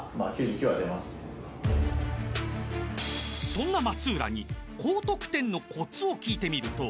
［そんな松浦に高得点のコツを聞いてみると］